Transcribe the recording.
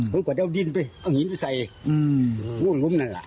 เขากลับเอาดินไปเอาหินไปใส่อู้นหลุมนั่นล่ะ